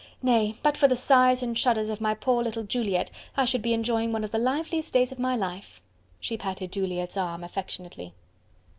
Nay! but for the sighs and shudders of my poor little Juliette, I should be enjoying one of the liveliest days of my life." She patted Juliette's arm affectionately.